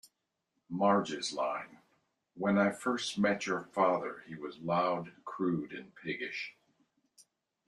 Marge's line When I first met your father, he was loud, crude and piggish.